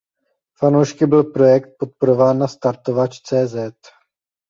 Fanoušky byl projekt podporován na Startovač.cz.